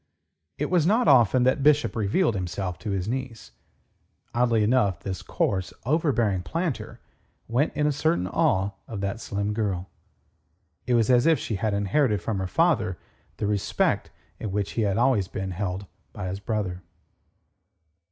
It was not often that Bishop revealed himself to his niece. Oddly enough, this coarse, overbearing planter went in a certain awe of that slim girl. It was as if she had inherited from her father the respect in which he had always been held by his brother.